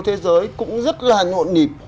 thế giới cũng rất là ngộn nhịp